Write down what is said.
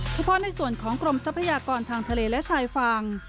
เฉพาะในส่วนของกรมทรัพยากรทางทะเลและชายฝั่ง